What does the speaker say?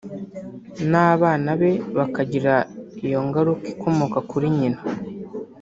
n’ abana be bakagira iyo ngaruka ikomoka kuri nyina